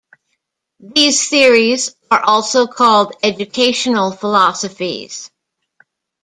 These theories are also called educational philosophies.